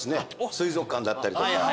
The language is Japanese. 水族館だったりとか。